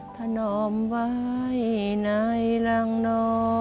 ถนอมไว้ในรังนอ